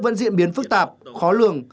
vẫn diễn biến phức tạp khó lường